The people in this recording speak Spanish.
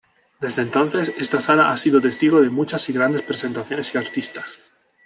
Desde entonces, esta sala ha sido testigo de muchas y grandes presentaciones y artistas.